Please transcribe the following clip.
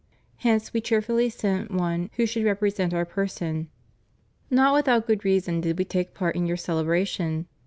Hence We cheerfully sent one who should represent Our person. Not without good reason did We take part in your cele bration.